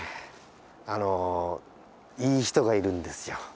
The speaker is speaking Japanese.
あのいい人がいるんですよ。